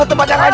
tempat yang aman